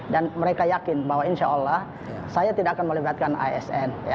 dan mereka yakin bahwa insya allah saya tidak akan melibatkan asn